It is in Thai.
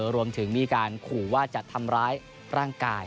รวมถึงมีการขู่ว่าจะทำร้ายร่างกาย